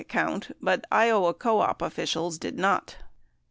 918 but Iowa co op officials did not.